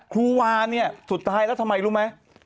ครูวาเนี่ยสุดท้ายแล้วทำไมรู้ไหม